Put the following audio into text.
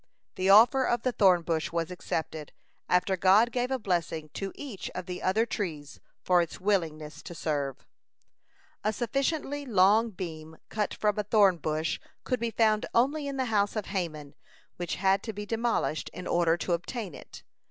The offer of the thorn bush was accepted, after God gave a blessing to each of the other trees for its willingness to serve. A sufficiently long beam cut from a thorn bush could be found only in the house of Haman, which had to be demolished in order to obtain it.